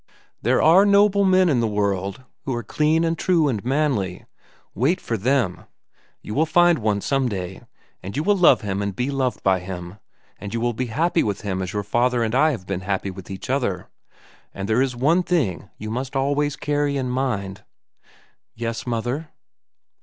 There are noble men in the world who are clean and true and manly. Wait for them. You will find one some day, and you will love him and be loved by him, and you will be happy with him as your father and I have been happy with each other. And there is one thing you must always carry in mind—" "Yes, mother."